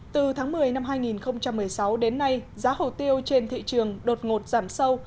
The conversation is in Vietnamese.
từ tháng một mươi năm hai nghìn một mươi sáu đến nay giá hồ tiêu trên thị trường đột ngột giảm sâu